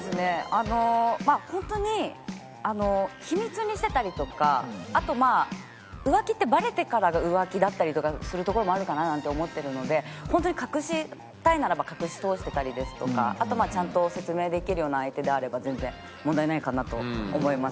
あの本当に秘密にしてたりとかあとまあ浮気ってバレてからが浮気だったりとかするところもあるかななんて思ってるので本当に隠したいならば隠し通してたりですとかあとちゃんと説明できるような相手であれば全然問題ないかなと思います。